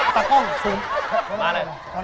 ตากล้องซึ้ง